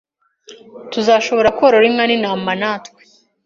Tuzashobora korora inka n'intama, natwe